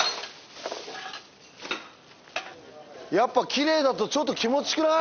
やっぱきれいだとちょっと気持ちよくない？